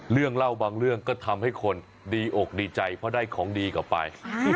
เรื่องเล่าบางเรื่องก็ทำให้คนดีอกดีใจเพราะได้ของดีกลับไป